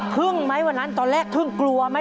ครึ่งไหมวันนั้นตอนแรกทึ่งกลัวไหม